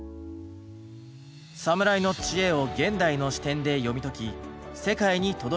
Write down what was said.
サムライの知恵を現代の視点で読み解き世界に届ける番組。